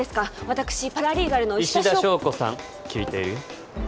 私パラリーガルの石田硝子さん聞いているよ